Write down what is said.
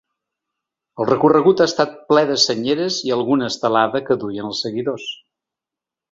El recorregut ha estat ple de senyeres i alguna estelada que duien els seguidors.